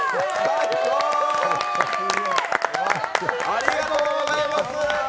ありがとうございます！